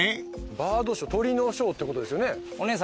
バードショー鳥のショーってことですよね？